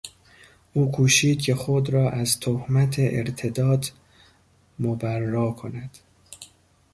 او کوشید که خود را از تهمت ارتداد مبری کند.